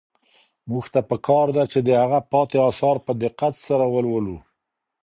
موږ ته په کار ده چې د هغه پاتې اثار په دقت سره ولولو.